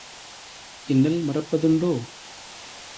இன்னல் மறப்ப துண்டோ?"